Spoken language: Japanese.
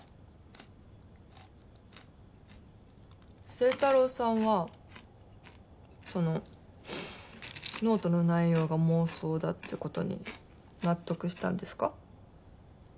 星太郎さんはそのノートの内容が妄想だって事に納得したんですか？